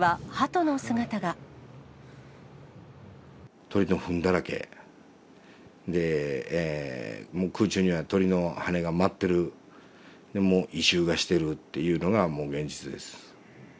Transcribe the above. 鳥のふんだらけで空中には鳥の羽根が舞ってる、もう異臭がしてるっていうのが、もう現実です。